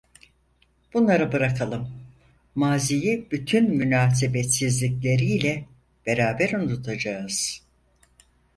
Bunları bırakalım, maziyi bütün münasebetsizlikleriyle beraber unutacağız…